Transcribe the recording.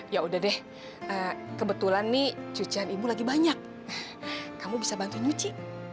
ya udah deh kebetulan nih cucian ibu lagi banyak kamu bisa bantu nyuci